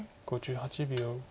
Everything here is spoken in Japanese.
５８秒。